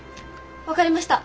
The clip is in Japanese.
分かりました。